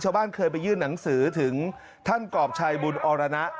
เคยไปยื่นหนังสือถึงท่านกรอบชัยบุญอรณะ